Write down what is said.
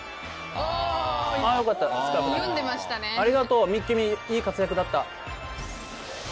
ありがとうミュッキミいい活躍だった。